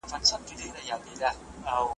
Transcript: تعویذونه به ور ولیکم پرېمانه .